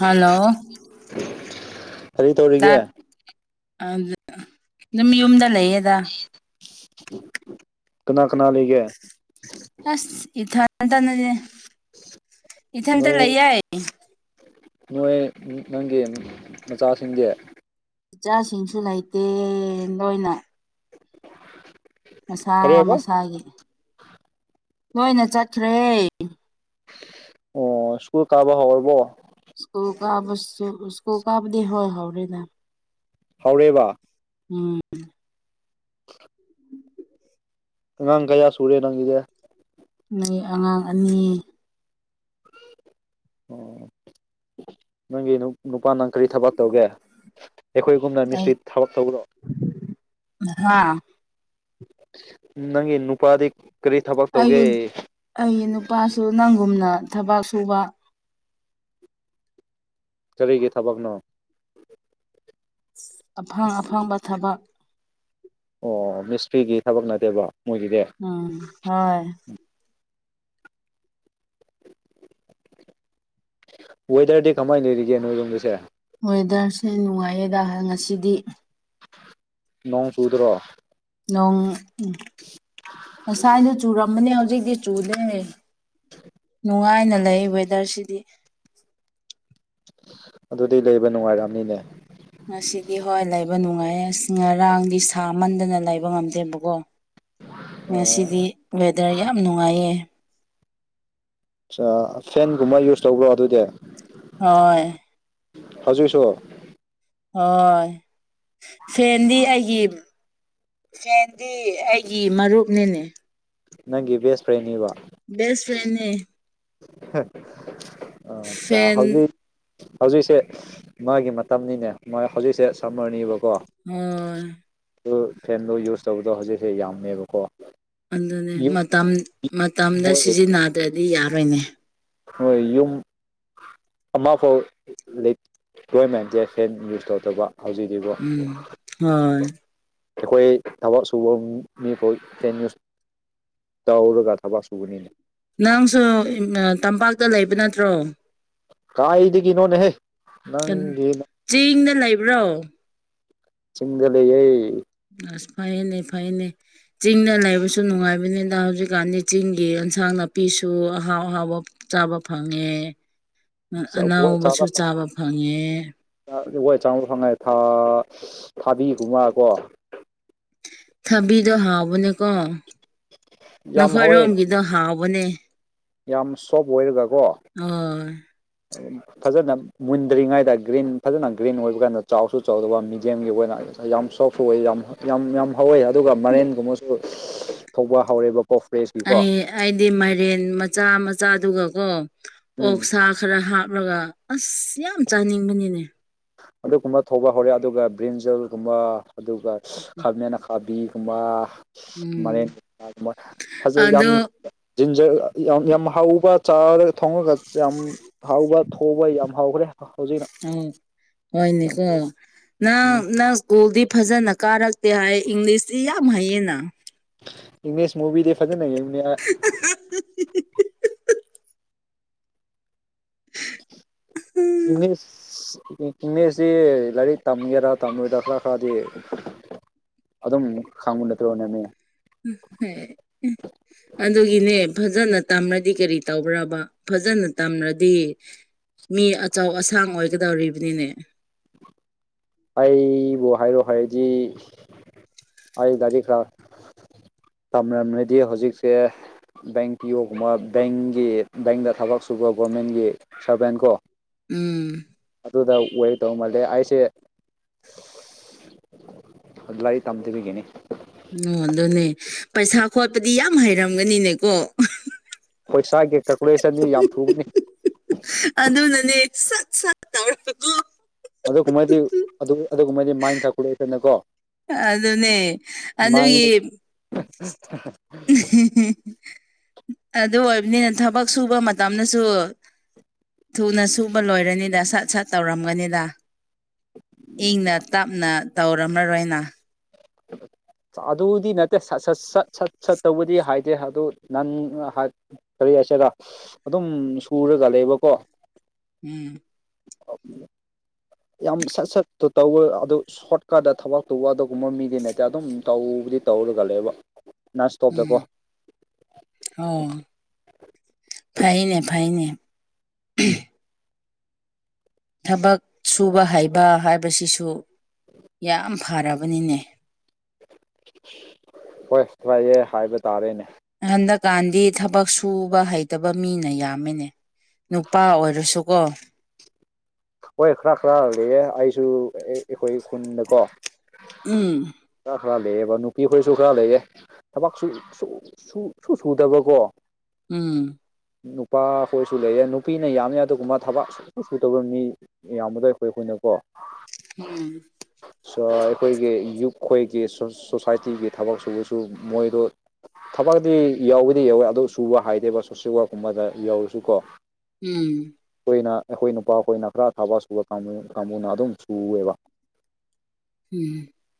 ꯍꯥꯜꯂꯣ ꯀꯔꯤ ꯇꯧꯔꯤꯒꯦ ꯗꯨꯝ ꯌꯨꯝꯗ ꯂꯩꯌꯦꯗ ꯀꯅꯥꯀꯅꯥ ꯂꯩꯒꯦ ꯏꯊꯟꯇꯅꯤ ꯏꯊꯟꯇꯥ ꯅꯣꯏ ꯂꯩꯌꯦ ꯅꯣꯏ ꯅꯪꯒꯤ ꯃꯆꯥꯁꯤꯡꯗꯤ ꯏꯆꯥꯁꯤꯡꯁꯨ ꯂꯩꯇꯦ ꯅꯣꯏꯅ [inaudible] ꯃꯁꯥ ꯀꯔꯤ ꯍꯥꯏꯕ ꯃꯁꯥꯒꯤ ꯂꯣꯏꯅ ꯆꯠꯈ꯭ꯔꯦ ꯑꯣ ꯁ꯭ꯀꯨꯜꯀꯥꯕꯥ ꯍꯧꯔꯕꯣ ꯁ꯭ꯀꯨꯜ ꯀꯥꯕꯁꯨ ꯁ꯭ꯀꯨꯜ ꯀꯥꯕꯗꯤ ꯏꯍꯧ ꯍꯧꯗꯦꯗ ꯍꯧꯔꯦꯕ ꯎꯝ [inaudible] ꯑꯪꯉꯥꯡ ꯀꯌꯥ ꯁꯔꯦ ꯅꯪꯒꯤꯗꯦ ꯅꯣꯏ ꯑꯉꯥꯡ ꯑꯅꯤ ꯑꯣ ꯅꯪꯒꯤꯅ ꯅꯨꯄꯥꯥꯟꯅ ꯀꯔꯤ ꯊꯕꯛ ꯇꯧꯒꯦ ꯑꯩꯈꯣꯏꯒꯨꯝꯅ ꯑꯩ ꯃꯤꯁꯇ꯭ꯔꯤ ꯊꯕꯛ ꯇꯧꯕ꯭ꯔꯣ ꯍꯥ ꯅꯪꯒꯤ ꯅꯨꯄꯥꯗꯤ ꯀꯔꯤ ꯊꯕꯛ ꯑꯩꯒꯤ ꯇꯧꯒꯦ ꯑꯩꯒꯤ ꯅꯨꯄꯥꯁꯨ ꯅꯪꯒꯨꯝꯅ ꯊꯕꯛ ꯁꯨꯕ ꯀꯔꯤꯒꯤ ꯊꯕꯛꯅꯣ ꯑꯐꯪ ꯑꯐꯪꯕ ꯊꯕꯛ ꯑꯣ ꯃꯤꯁꯇ꯭ꯔꯤꯒꯤ ꯊꯕꯛ ꯅꯠꯇꯦꯕ ꯃꯣꯏꯒꯤꯗꯤ ꯎꯝ ꯍꯣꯏ ꯋꯦꯗꯔꯗꯤ ꯀꯃꯥꯏꯅ ꯂꯩꯔꯤꯒꯦ ꯅꯣꯏ ꯌꯣꯝꯗꯁꯦ ꯋꯦꯗꯔꯁꯦ ꯅꯨꯡꯉꯥꯏꯌꯦꯗ ꯉꯁꯤꯗꯤ ꯅꯣꯡ ꯆꯨꯗ꯭ꯔꯣ ꯅꯣꯡ ꯎꯝ ꯉꯁꯥꯏꯗꯣ ꯆꯨꯔꯝꯕꯅꯦ ꯍꯧꯖꯤꯛ ꯗꯤ ꯆꯨꯗꯦꯅꯦ ꯅꯨꯡꯉꯥꯏꯅ ꯂꯩ ꯋꯦꯗꯔꯁꯤꯗꯤ ꯑꯗꯨꯗꯤ ꯂꯩꯕ ꯅꯨꯡꯉꯥꯏꯔꯝ ꯅꯤꯅꯦ ꯉꯁꯤꯗꯤ ꯍꯣꯏ ꯂꯩꯕ ꯅꯨꯡꯉꯥꯏ ꯑꯁ ꯉꯔꯥꯡꯗꯤ ꯁꯥꯃꯟꯗꯅ ꯂꯩꯕ ꯉꯝꯗꯦꯕꯀꯣ ꯉꯁꯤꯗꯤ ꯋꯦꯗꯔ ꯌꯥꯝ ꯅꯨꯡꯉꯥꯏꯌꯦ ꯑꯁꯥ ꯐꯦꯟꯒꯨꯝꯕ ꯌꯨꯁ ꯇꯧꯕ꯭ꯔꯣ ꯑꯗꯨꯗꯤ ꯍꯣꯏ ꯍꯧꯖꯤꯛ ꯁꯨ ꯍꯣꯏ ꯐꯦꯟꯗꯤ ꯑꯩꯒꯤ ꯐꯦꯟꯗꯤ ꯑꯩꯒꯤ ꯃꯔꯨꯞꯅꯤꯅꯦ ꯅꯪꯒꯤ ꯕꯦꯁ ꯐ꯭ꯔꯦꯟ ꯅꯤꯕ ꯕꯦꯁ ꯐ꯭ꯔꯦꯟꯅꯦ ꯑꯆꯥ ꯐꯦꯟ ꯍꯧꯖꯤꯛ ꯍꯧꯖꯤꯛꯁꯦ ꯃꯥꯒꯤ ꯃꯇꯝꯅꯤꯅꯦ ꯃꯥ ꯍꯧꯖꯤꯛꯁꯦ ꯁꯝꯃꯔꯅꯤꯕ ꯍꯣꯏ ꯐꯦꯟꯗꯣ ꯌꯨꯁ ꯇꯧꯕꯗꯣ ꯍꯧꯖꯤꯛꯁꯦ ꯌꯥꯝꯃꯦꯕꯀꯣ ꯑꯗꯨꯅꯦ ꯌꯨꯝ ꯃꯇꯝ ꯃꯇꯝꯗ ꯍꯣꯏ ꯁꯤꯖꯤꯟꯅꯗ꯭ꯔꯗꯤ ꯌꯥꯔꯣꯏꯅꯦ ꯍꯣꯏ ꯌꯨꯝ ꯑꯃꯐꯥꯎ ꯂꯩꯇꯦꯅꯦ ꯐꯦꯟ ꯌꯨꯁ ꯇꯧꯗꯕ ꯍꯧꯖꯤꯛꯗꯤꯀꯣ ꯎꯝ ꯍꯣꯏ ꯑꯩꯈꯣꯏ ꯊꯕꯛ ꯁꯨꯕ ꯃꯤꯐꯥꯎ ꯐꯦꯟ ꯌꯨꯁ ꯇꯧꯔꯒ ꯊꯕꯛ ꯁꯨꯕꯅꯤꯅꯦ ꯅꯪꯁꯨ ꯇꯝꯄꯥꯛꯇ ꯂꯩꯕ ꯅꯠꯇ꯭ꯔꯣ ꯀꯥꯏꯗꯒꯤ ꯅꯣꯅꯦ ꯍꯦ ꯆꯤꯡꯗ ꯂꯩꯕ꯭ꯔꯣ ꯆꯤꯡꯗ ꯂꯩꯩꯌꯦ ꯑꯁ ꯐꯩꯌꯦꯅꯦ ꯐꯩꯌꯦꯅꯦ ꯆꯤꯡꯗ ꯂꯩꯕꯁꯨ ꯅꯨꯡꯉꯥꯏꯕꯅꯤꯗ ꯍꯧꯖꯤꯛꯀꯥꯟꯗꯤ ꯆꯤꯡꯒꯤ ꯑꯦꯟꯁꯥꯡ ꯅꯥꯄꯤ ꯅꯥꯄꯤꯁꯨ ꯑꯍꯥꯎ ꯑꯍꯥꯎꯕ ꯆꯥꯕ ꯐꯪꯉꯦ ꯑꯅꯥꯎꯕꯁꯨ ꯆꯥꯗ ꯆꯥꯕ ꯐꯪꯉꯦ ꯐꯣꯏ ꯆꯥꯗ ꯐꯪꯉꯥꯏ ꯊꯥꯕꯤꯒꯨꯝꯕꯀꯣ ꯊꯕꯤꯗꯣ ꯍꯥꯎꯕꯅꯦꯀꯣ ꯌꯥꯝ ꯍꯥꯎꯋꯦ ꯅꯈꯣꯏꯔꯣꯝꯒꯤꯗꯣ ꯍꯥꯎꯕ ꯑꯣꯅꯦ ꯌꯥꯝ ꯁꯣꯐ ꯑꯣꯏꯔꯒꯀꯣ ꯍꯣꯏ ꯐꯖꯅ ꯃꯨꯟꯗ꯭ꯔꯤꯉꯩꯗ ꯒ꯭ꯔꯤꯟ ꯐꯖꯅ ꯒ꯭ꯔꯤꯟ ꯑꯣꯏꯕ ꯀꯥꯟꯗ ꯆꯥꯎꯁꯨ ꯆꯥꯎꯗꯕ ꯃꯤꯗꯤꯌꯝ ꯑꯣꯏꯅ ꯌꯥꯝ ꯁꯣꯞ ꯑꯣꯢ ꯌꯥꯝ ꯌꯥꯝ ꯌꯥꯝ ꯍꯧꯋꯦ ꯑꯗꯨꯒ ꯃꯔꯦꯟꯒꯨꯝꯕꯁꯨ ꯊꯧꯕ ꯍꯧꯔꯦꯕꯀꯣ ꯐ꯭ꯔꯦꯁꯀꯤꯀꯣ ꯑꯩ ꯑꯩꯗꯤ ꯃꯥꯏꯔꯦꯟ ꯃꯆꯥ ꯃꯆꯥꯗꯨꯒꯀꯣ ꯎꯝ ꯑꯣꯛ ꯁꯥ ꯈꯔ ꯍꯥꯞ ꯄꯨꯔꯒ ꯑꯁ ꯌꯥꯝ ꯆꯥꯅꯤꯡꯕꯅꯤꯅꯦ ꯑꯗꯨꯒꯨꯝꯕ ꯊꯧꯕ ꯍꯧꯔꯦ ꯑꯗꯨꯒ ꯕ꯭ꯔꯤꯟꯖꯜꯒꯨꯝꯕ ꯑꯗꯨꯒ ꯈꯃꯦꯟ ꯑꯈꯥꯕꯤ ꯀꯨꯝꯕ ꯎꯝ ꯃꯔꯦꯟ ꯃꯆꯥ ꯒꯨꯝꯕ ꯐꯖ ꯌꯥꯝ ꯑꯗꯣ ꯖꯤꯟꯖꯔ ꯌꯥꯝ ꯌꯥꯝ ꯍꯥꯎꯕ ꯆꯥꯔꯒ ꯊꯣꯡꯉꯒ ꯌꯥꯝ ꯍꯥꯎꯕ ꯊꯧꯕ ꯌꯥꯝ ꯍꯥꯎꯈ꯭ꯔꯦ ꯑꯧꯍꯧꯖꯤꯛꯅ ꯍꯣꯢꯅꯦꯀꯣ ꯅꯪ ꯎꯝ ꯅꯪ ꯢꯋꯀꯨꯜꯗꯤꯞ ꯐꯖꯅ ꯀꯥꯔꯛꯇꯦ ꯍꯥꯏ ꯏꯪꯂꯤꯁꯇꯤ ꯌꯥꯝ ꯍꯌꯦꯡꯅ ꯏꯪꯂꯤꯁ ꯃꯨꯚꯤꯗꯤ ꯐꯖꯅ ꯌꯦꯡꯕꯅꯦ ꯑꯩ ꯎꯝ ꯏꯪꯂꯤꯁ ꯏꯪꯂꯤꯁꯁꯤ ꯂꯥꯏꯔꯤꯛ ꯇꯝꯒꯦꯔꯥ ꯇꯝꯃꯣꯏꯗ꯭ꯔꯥ ꯈꯔ ꯈꯔꯗꯤ ꯑꯗꯨꯝ ꯈꯥꯡꯕ ꯅꯠꯇ꯭ꯔꯅꯦꯃꯤ ꯑꯗꯨꯒꯤꯅꯦ ꯐꯖꯅ ꯇꯝꯔꯗꯤ ꯀꯔꯤ ꯇꯧꯕ꯭ꯔꯕ ꯐꯖꯅ ꯇꯝꯔꯗꯤ ꯃꯤ ꯑꯆꯧ ꯑꯁꯥꯡ ꯑꯣꯏꯒꯗꯧꯔꯤꯕꯅꯤꯅꯦ ꯑꯩꯕꯨ ꯍꯥꯏꯔꯣ ꯍꯥꯏꯗꯤ ꯑꯩ ꯗꯤ ꯈꯔ ꯇꯝꯔꯝꯔꯗꯤ ꯍꯧꯖꯤꯛꯁꯦ ꯕꯦꯡ ꯄꯤꯌꯣꯒꯨꯝꯕ ꯕꯦꯡꯒꯤ ꯕꯦꯡꯗ ꯊꯕꯛ ꯁꯨꯕ ꯒꯣꯔꯃꯦꯟꯒꯤ ꯁꯥꯔꯚꯦꯟ ꯀꯣ ꯎꯝ ꯑꯗꯨꯗ ꯑꯣꯏ ꯇꯧꯕꯃꯜꯂꯦ ꯑꯩꯁꯦ ꯂꯥꯏꯔꯤꯛ ꯇꯝꯗꯕꯤꯒꯤꯅꯤ ꯑꯣ ꯑꯗꯨꯅꯦ ꯄꯩꯁꯥ ꯈꯣꯠꯄꯗꯤ ꯌꯥꯝ ꯍꯩꯔꯝꯒꯅꯤꯅꯦꯀꯣ ꯄꯩꯁꯥꯒꯤ ꯀꯥꯜꯀꯨꯂꯦꯁꯟꯗꯤ ꯌꯥꯝ ꯊꯨꯕꯅꯤ ꯑꯗꯨꯅꯅꯦ ꯁꯠ ꯁꯠ ꯇꯧꯔꯒ ꯀꯣ ꯑꯗꯨꯒꯨꯝꯕꯗꯤ ꯑꯗꯨꯒꯨꯝꯕꯗꯤ ꯃꯥꯏꯟ ꯀꯥꯜꯀꯨꯂꯦꯇꯔꯅꯀꯣ ꯑꯗꯨꯅꯦ ꯑꯗꯨꯒꯤ ꯍꯤꯍꯤꯍꯤ ꯑꯗꯨ ꯑꯣꯏꯕ ꯅꯤꯅ ꯊꯕꯛ ꯁꯨꯕ ꯃꯇꯝꯗꯁꯨ ꯊꯨꯅ ꯁꯨꯕ ꯂꯣꯏꯔꯅꯤꯗ ꯁꯠ ꯁꯠ ꯇꯧꯔꯝꯒꯅꯤꯗ ꯏꯪꯅ ꯇꯞꯅ ꯇꯧꯔꯝꯂꯔꯣꯏ ꯅꯪ ꯑꯗꯨꯗꯤ ꯅꯠꯇꯦ ꯁꯠ ꯁꯠ ꯁꯠ ꯁꯠ ꯁꯠꯇꯧꯕꯗꯤ ꯍꯥꯏꯗꯦ ꯑꯗꯨ ꯅ ꯀꯔꯤ ꯀꯩ ꯍꯥꯏꯁꯤꯔ ꯑꯗꯨꯝ ꯁꯨꯔꯒ ꯂꯩꯕꯀꯣ ꯎꯝ ꯑꯣ ꯌꯥꯝ ꯁꯠ ꯁꯠꯇꯨ ꯇꯧꯕ ꯑꯗꯨ ꯁꯣꯔꯠꯀꯠꯇ ꯊꯕꯛ ꯇꯧꯕ ꯑꯗꯨꯒꯨꯝꯕ ꯃꯤꯗꯤ ꯅꯠꯇꯦ ꯑꯗꯨꯝ ꯇꯧꯕ ꯗꯤ ꯇꯧꯔꯒꯂꯩꯕ ꯎꯝ ꯑꯣ ꯐꯩꯅꯦ ꯐꯩꯅꯦ [unintelligible] ꯊꯕꯛ ꯁꯨꯕ ꯍꯩꯕ ꯍꯥꯏꯕꯁꯤꯁꯨ ꯌꯥꯝ ꯐꯔꯕꯅꯤꯅꯦ ꯍꯣꯏ ꯐꯩꯌꯦ ꯍꯥꯏꯕ ꯇꯥꯔꯦꯅꯦ ꯍꯟꯗꯛꯀꯥꯟꯗꯤ ꯊꯕꯛ ꯁꯨꯕ ꯍꯩꯇꯕ ꯃꯤꯅ ꯌꯥꯝꯃꯤꯅꯦ ꯅꯨꯄꯥ ꯑꯣꯏꯔꯁꯨꯀꯣ ꯍꯣꯏ ꯈꯔ ꯈꯔ ꯂꯩꯌꯦ ꯑꯩꯁꯨ ꯑꯩꯈꯣꯏ ꯈꯨꯟꯗꯀꯣ ꯎꯝ ꯈꯔ ꯈꯔ ꯂꯩꯑꯦꯕ ꯅꯨꯄꯤ ꯈꯣꯏꯁꯨ ꯈꯔ ꯂꯩꯑꯦ ꯊꯕꯛ ꯁꯨ ꯁꯨ ꯁꯨ ꯁꯨꯗꯕꯀꯣ ꯎꯝ ꯅꯨꯄꯥ ꯈꯣꯏꯁꯨ ꯂꯩꯌꯦ ꯅꯨꯄꯤꯅ ꯌꯥꯝꯃꯤ ꯑꯗꯨꯒꯨꯝꯕ ꯊꯕꯛ ꯁꯨꯛ ꯁꯨ ꯁꯨꯗꯕ ꯃꯤ ꯌꯥꯝꯕꯗꯣ ꯑꯩꯈꯣꯏ ꯈꯨꯟꯅꯀꯣ ꯍꯝ ꯑꯩꯈꯣꯏꯒꯤ ꯌꯨꯠ ꯈꯣꯏꯒꯤ ꯁꯣꯁꯥꯏꯇꯤꯒꯤ ꯊꯕꯛ ꯁꯨꯕꯨꯁꯨ ꯃꯣꯏꯗꯣ ꯊꯕꯛꯗꯤ ꯌꯥꯎꯕꯗꯤ ꯌꯥꯎꯋꯦ ꯑꯗꯨ ꯁꯨꯕ ꯍꯥꯏꯗꯦꯕ ꯁꯣꯁꯦꯜ ꯋꯥꯔꯛꯀꯨꯝꯕꯗ ꯌꯥꯎꯔꯁꯨꯀꯣ ꯎꯝ ꯑꯩꯅ ꯑꯩꯈꯣꯏ ꯅꯨꯄꯥ ꯈꯣꯏꯅ ꯈꯔ ꯊꯕꯛ ꯁꯨꯕ ꯀꯥꯡꯕꯨ ꯀꯥꯡꯕꯨꯅ ꯑꯗꯨꯝ ꯁꯨꯋꯦꯕ ꯎꯝ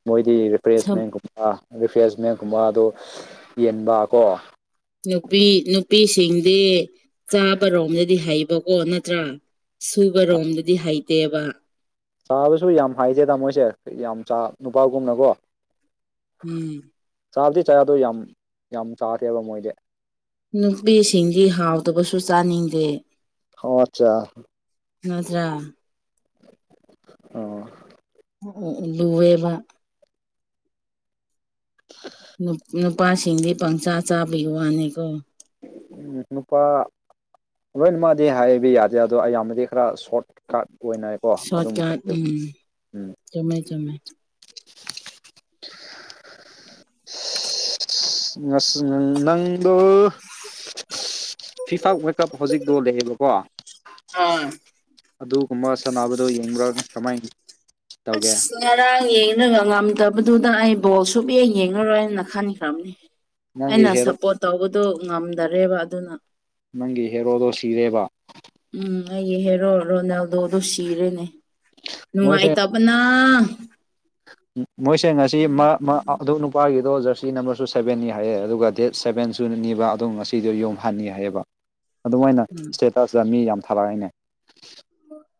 ꯃꯣꯏꯗꯤ ꯊꯝ ꯔꯤꯐ꯭ꯔꯦꯁꯃꯦꯟꯒꯨꯝꯕ ꯔꯤꯐ꯭ꯔꯦꯁꯃꯦꯟꯒꯨꯝꯕ ꯑꯗꯣ ꯌꯦꯟꯕꯀꯣ ꯅꯨꯄꯤ ꯅꯨꯄꯤꯁꯤꯡꯗꯤ ꯆꯥꯕꯔꯣꯝꯗꯗꯤ ꯍꯩꯕꯀꯣ ꯅꯠꯇ꯭ꯔꯥ ꯁꯨꯕ ꯔꯣꯝꯗꯗꯤ ꯍꯩꯇꯦꯕ ꯆꯥꯕꯁꯨ ꯌꯥꯝ ꯍꯩꯇꯦꯗ ꯃꯣꯏꯁꯦ ꯌꯥꯝ ꯆꯥ ꯅꯨꯄꯥꯒꯨꯝꯅꯀꯣ ꯎꯝ ꯆꯥꯕꯗꯤ ꯆꯥꯏ ꯑꯗꯣ ꯌꯥꯝ ꯌꯥꯝ ꯆꯥꯗꯦꯕ ꯃꯣꯏꯗꯤ ꯅꯨꯄꯤꯁꯤꯡꯗꯤ ꯍꯥꯎꯇꯕꯁꯨ ꯆꯥꯅꯤꯡꯗꯦ ꯑꯣ ꯑꯆꯥ ꯅꯠꯇ꯭ꯔ ꯑꯥ ꯎ ꯂꯨꯌꯦꯕ ꯅꯨ ꯅꯨꯄꯥꯁꯤꯡꯗꯤ ꯄꯪꯆꯥ ꯆꯥꯕꯒꯤ ꯋꯥꯅꯤꯀꯣ ꯅꯨꯄꯥ [unintelligible] ꯂꯣꯏꯅ ꯃꯥꯗꯤ ꯍꯥꯏꯕ ꯌꯥꯗꯦ ꯑꯗꯣ ꯑꯌꯥꯝꯕꯗꯤ ꯈꯔ ꯁꯣꯠ ꯀꯥꯠ ꯀꯣꯏꯅꯩ ꯀꯣ ꯑꯗꯨꯝ ꯁꯣꯔꯠꯀꯠ ꯎꯝ ꯎꯝ ꯆꯨꯝꯃꯦ ꯆꯨꯝꯃꯦ [unintelligible] [unintelligible] ꯉꯁꯤ ꯅꯪꯗꯣ ꯐꯤꯐꯥ ꯋꯥ ꯀꯞ ꯍꯧꯖꯤꯛꯗꯣ ꯂꯩꯌꯦꯕꯀꯣ ꯑꯥ ꯑꯗꯨꯒꯨꯝꯕ ꯁꯥꯟꯅꯕꯗꯣ ꯌꯦꯡꯕ꯭ꯔꯥ ꯀꯃꯥꯏ ꯑꯁ ꯉꯔꯥꯡ ꯌꯦꯡꯔꯒ ꯉꯝꯗꯕ ꯗꯨꯗ ꯑꯩ ꯕꯣꯜ ꯁꯨꯛ ꯌꯦꯡ ꯌꯦꯡꯉꯔꯣꯏꯅ ꯈꯟꯈ꯭ꯔꯕꯅꯤ ꯅꯪꯒꯤ ꯑꯩꯅ ꯍꯦꯔꯣ ꯁꯞꯄꯣꯔꯠ ꯇꯧꯕ ꯗꯣ ꯉꯝꯗꯔꯦꯕ ꯑꯗꯨꯅ ꯅꯪꯒꯤ ꯍꯦꯔꯣꯗꯣ ꯁꯤꯔꯦꯕ ꯎꯝ ꯑꯩꯒꯤ ꯍꯦꯔꯣ ꯔꯣꯅꯥꯜꯗꯣꯗꯨꯨ ꯁꯤꯔꯦꯅꯦ ꯅꯨꯡꯉꯥꯢ ꯃꯣꯏꯁꯦ ꯇꯕꯅꯥ ꯃꯣꯏꯁꯦ ꯉꯁꯤ ꯃꯥ ꯃꯥ ꯑꯗꯨ ꯅꯨꯄꯥꯒꯤ ꯑꯗꯣ ꯖꯔꯁꯤ ꯅꯝꯕꯔꯁꯨ ꯁꯕꯦꯟꯅꯤ ꯍꯥꯏꯌꯦ ꯑꯗꯨꯒ ꯗꯦꯠ ꯁꯕꯦꯟꯁꯨ ꯅꯤꯕ ꯑꯗꯨꯝ ꯉꯁꯤꯗꯤ ꯌꯨꯝ ꯍꯟꯅꯤ ꯍꯥꯏꯌꯦꯕ ꯑꯗꯨꯃꯥꯏꯅ ꯎꯝ ꯏꯁꯇꯦꯇ ꯑꯁꯤꯗ ꯃꯤ ꯌꯥꯝ ꯊꯥꯂꯛꯏꯅꯦ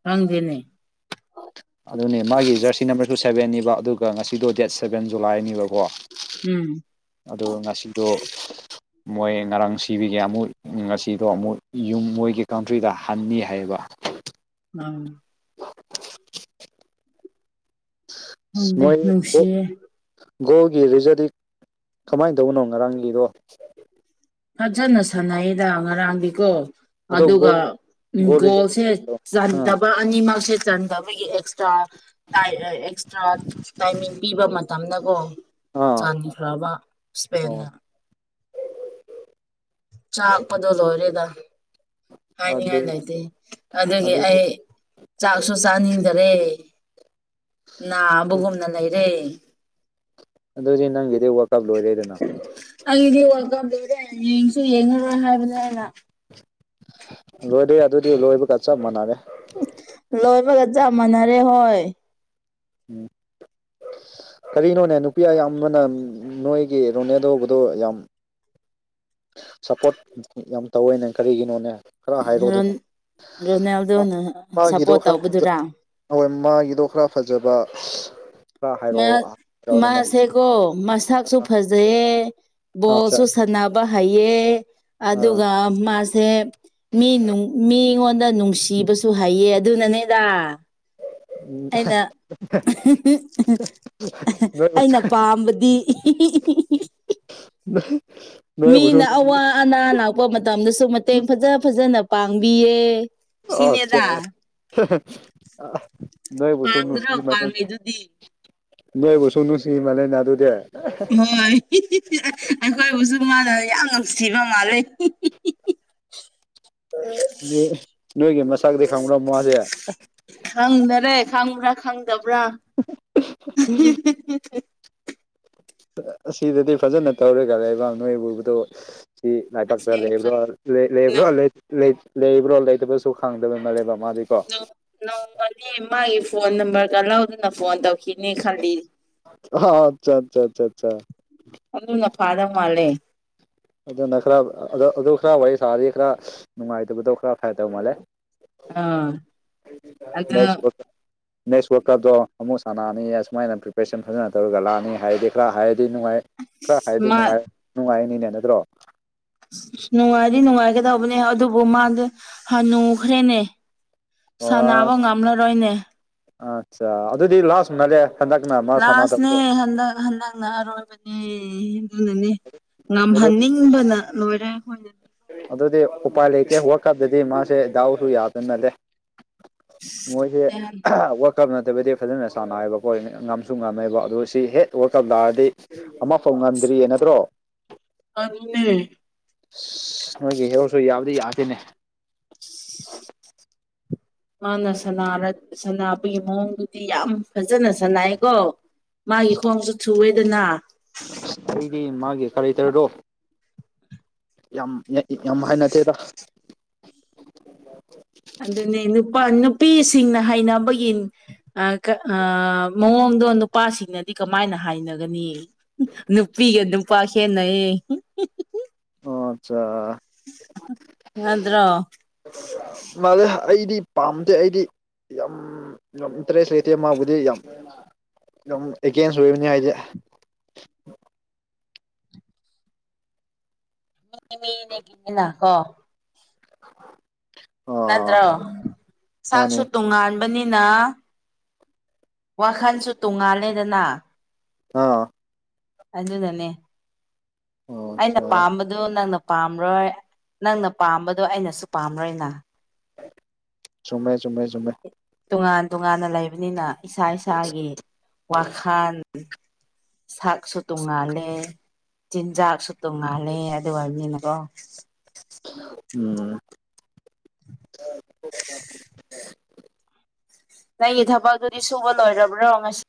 ꯈꯪꯗꯦꯅꯦ ꯑꯗꯨꯅꯦ ꯃꯥꯒꯤ ꯖꯔꯁꯤ ꯅꯝꯕꯔꯁꯨ ꯁꯕꯦꯟꯅꯤꯕ ꯑꯗꯨꯒ ꯉꯁꯤꯗꯣ ꯗꯦꯠ ꯁꯚꯦꯟ ꯖꯨꯂꯥꯏꯅꯦꯕꯀꯣ ꯎꯝ ꯑꯗꯣ ꯉꯁꯤꯗꯣ ꯃꯣꯏ ꯉꯔꯥꯡ ꯁꯤꯕꯤꯒꯦ ꯑꯃꯨꯛ ꯉꯁꯤꯗꯣ ꯑꯃꯨꯛ ꯌꯨꯝ ꯃꯣꯏꯒꯤ ꯀꯥꯎꯟꯇ꯭ꯔꯤꯗ ꯍꯟꯅꯤ ꯍꯥꯏꯌꯦꯕ ꯎꯝ ꯈꯪꯗꯦ ꯃꯣꯏ ꯅꯨꯡꯁꯤꯌꯦ ꯒꯣꯜꯒꯤ ꯔꯤꯖꯔꯗꯤ ꯀꯃꯥꯏꯅ ꯇꯧꯕꯅꯣ ꯉꯔꯥꯡꯒꯤꯗꯣ ꯐꯖꯅ ꯁꯥꯟꯅꯩꯌꯦꯗ ꯉꯔꯥꯡꯗꯤꯀꯣ ꯑꯗꯣ ꯑꯗꯨꯒ ꯒꯣꯜ ꯒꯣꯜ ꯔꯤꯖꯜ ꯒꯣꯜꯁꯦ ꯑꯥ ꯆꯟꯗꯕ ꯑꯅꯤꯃꯛꯁꯦ ꯆꯟꯗꯕꯒꯤ ꯑꯦꯛꯁ ꯑꯦꯛꯁꯇ꯭ꯔꯥ ꯑꯦꯛꯁꯇ꯭ꯔꯥ ꯇꯥꯏꯃꯤꯡ ꯄꯤꯕ ꯃꯇꯝꯅꯀꯣ ꯑꯥ ꯆꯥꯟꯈ꯭ꯔꯕ ꯑꯣ ꯏꯁꯄꯦꯟꯅ ꯆꯥꯛꯄꯗꯣ ꯂꯣꯔꯦꯗ ꯍꯥꯏꯅꯤꯡꯉꯥꯏ ꯑꯗꯨ ꯂꯩꯇꯦ ꯑꯗꯨꯗꯒꯤ ꯑꯗꯨꯗꯤ ꯑꯩ ꯆꯥꯛꯁꯨ ꯆꯥꯅꯤꯡꯗꯔꯦ ꯅꯥꯕꯨꯒꯨꯝꯅ ꯂꯩꯔꯦ ꯑꯗꯨꯗꯣ ꯅꯪꯒꯤꯗꯤ ꯋꯥꯜ ꯀꯥꯞ ꯂꯣꯏꯔꯦꯗꯅ ꯑꯦ ꯌꯦꯡꯁꯨ ꯌꯦꯡꯉꯔꯣꯏ ꯍꯥꯏꯕꯅꯦ ꯑꯩꯅ ꯂꯣꯏꯔꯦ ꯑꯗꯨꯗꯤ ꯂꯣꯏꯕꯒ ꯆꯞ ꯃꯥꯟꯅꯔꯦ ꯂꯣꯏꯕꯒ ꯆꯥꯞ ꯃꯥꯟꯅꯔꯦ ꯍꯣꯏ ꯎꯝ ꯀꯔꯤꯅꯣꯅꯦ ꯅꯨꯄꯤ ꯑꯌꯥꯝꯕꯅ ꯅꯣꯏꯒꯤ ꯔꯣꯅꯦꯗꯧꯕꯗꯣ ꯌꯥꯝ ꯁꯞꯄꯣꯔꯠ ꯌꯥꯝ ꯇꯧꯋꯦꯅꯦ ꯀꯔꯤꯒꯤꯅꯣꯅꯦ ꯈꯔ ꯍꯥꯏꯔꯣꯗꯅ ꯔꯣꯅꯦꯜꯗꯣꯅ ꯁꯞꯄꯣꯔꯠ ꯈꯔ ꯐꯖ ꯇꯧꯕꯗꯨꯔꯥ ꯍꯣꯏ ꯃꯥꯒꯤꯗꯣ ꯈꯔ ꯐꯖꯕ ꯈꯔ ꯃꯥ ꯍꯥꯏꯔꯛꯑꯣ ꯍꯥꯏꯔꯛꯑꯣꯗꯅꯦ ꯃꯥꯁꯦꯀꯣ ꯃꯁꯛꯁꯨ ꯐꯖꯩꯌꯦ ꯑꯠꯆꯥ ꯕꯣꯁꯨ ꯁꯥꯟꯅꯕ ꯍꯩꯑꯦ ꯑꯥ ꯑꯗꯨꯒ ꯃꯁꯦ ꯁꯦ ꯃꯤꯅꯨꯡ ꯃꯤꯉꯣꯟꯗ ꯅꯨꯡꯁꯤꯕꯁꯨ ꯍꯩꯌꯦ ꯑꯗꯨꯅꯅꯦꯗ ꯑꯩꯅ [unintelligible] ꯎ ꯑꯩꯅ ꯄꯥꯝꯕꯗꯤ ꯍꯤꯍꯤꯍꯤꯍꯤ [unintelligible] ꯅꯣꯏꯕꯨꯁꯨ ꯃꯤꯅ ꯑꯋꯥ ꯑꯅꯥ ꯂꯥꯛꯄ ꯃꯇꯝꯗꯁꯨ ꯃꯇꯦꯡ ꯐꯖ ꯐꯖꯅ ꯄꯥꯡꯕꯤꯌꯦ ꯑꯆꯥ ꯁꯤꯅꯦꯗ [unintelligible] ꯅꯣꯏꯕꯨꯁꯨ ꯅꯨꯁꯤ ꯄꯥꯡꯗ꯭ꯔꯣ ꯅꯔꯦꯅꯦ ꯄꯥꯡꯉꯤꯗꯨꯗꯤ ꯅꯣꯢꯕꯨꯁꯨ ꯅꯨꯁꯤ ꯃꯜꯂꯦ ꯅꯦ ꯑꯗꯨꯗꯤ ꯍꯣꯏ ꯍꯤꯍꯤꯍꯤ ꯑꯩꯈꯣꯏꯕꯨꯁꯨ ꯃꯥꯥꯟꯅ ꯌꯥꯝ ꯁꯤꯕꯃꯂꯦ ꯍꯤꯍꯤꯍꯤꯍꯤ ꯅꯣꯏꯒꯤ ꯃꯁꯥꯛꯗꯤ ꯈꯥꯡꯕ꯭ꯔ ꯃꯥꯁꯦ ꯈꯪꯗꯔꯦ ꯈꯪꯕ꯭ꯔꯥ ꯈꯪꯗꯕ꯭ꯔꯥ ꯍꯥꯍꯤꯍꯥꯍꯤ ꯑꯁꯤꯗꯗꯤ ꯐꯖꯅ ꯇꯧꯔꯦ ꯒꯥ ꯂꯩꯕꯥꯛ ꯅꯣꯏ ꯎꯕꯗꯣ ꯁꯤ ꯂꯥꯏꯕꯥꯛꯇ ꯑꯁꯦꯡꯕ ꯂꯩꯕ꯭ꯔꯣ ꯅꯪ ꯂꯩ꯭ꯔ ꯂꯩꯕ꯭ꯔꯣ ꯂꯩꯇꯕꯁꯨ ꯈꯪꯗꯕ ꯃꯔ ꯂꯩ ꯕ ꯅꯣꯡꯃꯅꯤ ꯃꯥꯒꯤ ꯐꯣꯟ ꯅꯝꯕꯔꯒ ꯂꯧꯗ ꯅ ꯐꯣꯟ ꯇꯧ ꯑꯠꯆꯥ ꯑꯆꯥ ꯑꯆꯥ ꯑꯆꯥ ꯑꯗꯨꯅ ꯐꯥꯗꯧ ꯃꯥꯂꯦ ꯑꯗꯨꯅ ꯈꯔ ꯑꯗꯣ ꯑꯗꯨ ꯈꯔ ꯋꯥꯔꯤ ꯁꯥꯗꯤ ꯈꯔ ꯅꯨꯡꯉꯥꯏꯇꯕꯗꯣ ꯈꯔ ꯐꯩꯗꯧ ꯃꯥꯜꯂꯦ ꯑꯥ ꯑꯗꯣ ꯅꯦꯛꯁ ꯅꯦꯛꯁ ꯋꯥꯔꯜ ꯀꯞꯇꯣ ꯑꯃꯨꯛ ꯁꯥꯟꯅꯑꯅꯤ ꯑꯁꯨꯃꯥꯏꯅ ꯄ꯭ꯔꯤꯄꯦꯔꯦꯁꯟ ꯐꯖꯅ ꯇꯧꯔꯒ ꯂꯥꯛꯑꯅꯤ ꯍꯥꯏꯗꯤ ꯈꯔ ꯍꯥꯏꯗꯤ ꯗꯤ ꯅꯨꯡꯉꯥꯏ ꯈꯔ ꯍꯥꯏꯔꯗꯤ ꯃꯥ ꯅꯨꯡꯉꯥꯏ ꯅꯨꯡꯉꯥꯏꯅꯤꯅꯦ ꯅꯠꯇ꯭ꯔꯣ ꯅꯨꯡꯉꯥꯏꯗꯤ ꯅꯨꯡꯉꯥꯏꯒꯗꯧꯕꯅꯦ ꯑꯗꯨꯕꯨ ꯃꯥꯗꯤ ꯍꯥꯟꯅꯨꯈ꯭ꯔꯦꯅꯦ ꯑꯣ ꯁꯥꯟꯅꯕ ꯉꯝꯂꯔꯣꯏꯅꯦ ꯑꯠꯆꯥ ꯑꯗꯨꯗꯤ ꯂꯥꯁ ꯃꯦꯗꯥ ꯂꯥꯁꯅꯦ ꯍꯟꯗꯛ ꯍꯟꯗꯒꯅ ꯑꯔꯣꯕꯅꯦ ꯑꯗꯨꯅꯅꯦ ꯑꯗꯨ ꯉꯝꯍꯟꯅꯤꯡꯕꯅ ꯂꯣꯏꯔꯦ ꯑꯈꯣꯏꯅ ꯑꯗꯨꯗꯤ ꯎꯄꯥꯏ ꯂꯩꯇꯦ ꯋꯥꯀꯞꯗꯗꯤ ꯃꯥꯁꯦ ꯗꯥꯎꯁꯨ ꯌꯥꯗꯅꯂꯦ ꯃꯣꯏ ꯍ ꯋꯥꯛ ꯋꯥꯔꯜ ꯀꯞ ꯅꯠꯇꯕꯗꯤ ꯐꯖꯅ ꯁꯥꯟꯅꯑꯕꯀꯣꯏ ꯉꯝꯁꯨ ꯉꯝꯃꯦꯕ ꯑꯗꯨ ꯁꯤ ꯍꯦꯛ ꯋꯥꯔꯜ ꯀꯞ ꯂꯥꯛꯑꯗꯤ ꯑꯃ ꯐꯥꯎ ꯉꯝꯗ꯭ꯔꯤꯌꯦ ꯅꯠꯇ꯭ꯔꯣ ꯑꯗꯨꯅꯦ ꯁ ꯅꯣꯏꯒꯤ ꯍꯦꯔꯣꯔꯁꯨ ꯌꯥꯕꯗꯤ ꯌꯥꯗꯦꯅꯦ [inaudible] ꯃꯥꯅ ꯁꯅꯥꯔꯛ ꯁꯅꯥꯕꯒꯤ ꯃꯑꯣꯡꯗꯨꯗꯤ ꯌꯥꯝ ꯐꯖꯅ ꯁꯥꯟꯅꯩꯀꯣ ꯃꯥꯒꯤ ꯈꯣꯡꯁꯨ ꯊꯨꯑꯦꯗꯅ ꯑꯩꯗꯤ ꯃꯥꯒꯤ ꯀꯔꯦꯛꯇꯔꯗꯣ ꯌꯥꯝ ꯉꯛꯑꯦ ꯌꯥꯝ ꯍꯥꯏꯅꯗꯦꯗ ꯑꯗꯨꯅꯤ ꯅꯨꯄꯥ ꯅꯨꯄꯤꯁꯤꯡꯅ ꯍꯩꯅꯕꯒꯤ ꯑ ꯀ ꯑ ꯃꯑꯣꯡꯗꯣ ꯅꯨꯄꯥꯁꯤꯡꯅꯗꯤ ꯀꯃꯥꯏꯅ ꯍꯥꯏꯅꯒꯅꯤ ꯅꯨꯄꯤꯒ ꯄꯥꯥ ꯈꯦꯠꯅꯩꯌꯦ ꯑꯣ ꯑꯆꯥ ꯃꯗ꯭ꯔꯣ ꯃꯥꯜꯂꯦ ꯑꯩꯗꯤ ꯄꯥꯝꯗꯦ ꯑꯩꯗꯤ ꯌꯥꯝ ꯌꯥꯝ ꯏꯟꯇꯔꯦꯁ ꯂꯩꯇꯦ ꯃꯥꯕꯨꯗꯤ ꯌꯥꯝ ꯌꯥꯝ ꯑꯦꯒꯦꯟꯁ ꯑꯣꯏꯕꯅꯦ ꯑꯩꯗꯤ ꯃꯤ ꯃꯤꯅ ꯄꯨꯋꯦꯅ [unintelligible] ꯀꯣ [inaudible] ꯅꯠꯇ꯭ꯔꯣ ꯃꯥꯅꯦ ꯁꯛꯁꯨ ꯇꯣꯉꯥꯟꯕꯅꯤꯅ ꯋꯥꯈꯟꯁꯨ ꯇꯣꯡꯉꯥꯜꯂꯦꯗꯅ ꯑꯥ ꯑꯗꯨꯅꯅꯦ ꯑꯣ ꯑꯩꯅ ꯄꯥꯝꯕꯗꯨ ꯅꯪꯅ ꯄꯥꯝꯔꯣꯏ ꯅꯪꯅ ꯄꯥꯝꯕꯗꯣ ꯑꯩꯅꯁꯨ ꯄꯥꯝꯔꯣꯏꯅ ꯆꯨꯝꯃꯦ ꯆꯨꯝꯃꯦ ꯆꯨꯝꯃꯦ ꯇꯣꯉꯥꯟ ꯇꯣꯉꯥꯟꯅ ꯂꯩꯕꯅꯤꯅ ꯏꯁꯥ ꯏꯁꯥꯒꯤ ꯋꯥꯈꯥꯟ ꯁꯥꯛꯁꯨ ꯇꯣꯡꯉꯥꯜꯂꯦ ꯆꯤꯟꯖꯥꯛꯁꯨ ꯇꯣꯡꯉꯥꯂꯦ ꯑꯗꯨ ꯑꯣꯏꯕꯅꯤꯅꯀꯣ ꯎꯝ ꯅꯪꯒꯤ ꯊꯕꯛꯗꯨꯗꯤ ꯁꯨꯕ ꯂꯣꯏꯔꯕ꯭ꯔꯣ ꯉꯁꯤ